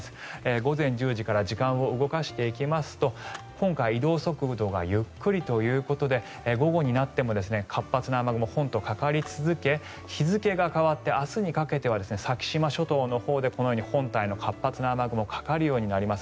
午前１０時から時間を動かしていきますと今回移動速度がゆっくりということで午後になっても活発な雨雲、本島、かかり続け日付が変わって明日にかけては先島諸島のほうでこのように本体の活発な雨雲がかかるようになります。